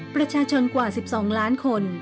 ประชาชนกว่า๑๒ล้านคน